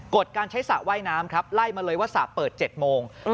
ดการใช้สระว่ายน้ำครับไล่มาเลยว่าสระเปิด๗โมง